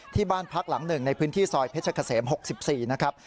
ที่บ้านพักหลังหนึ่งในพื้นที่ซอยเพชรเกษม๖๔นะครับ